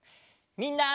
みんな！